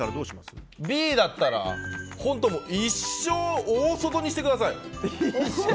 Ｂだったら一生大外にしてください！